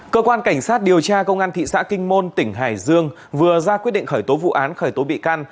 cơ quan cảnh sát điều tra công an thị xã kinh môn tỉnh hải dương vừa ra quyết định khởi tố vụ án khởi tố bị can